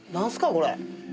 これ。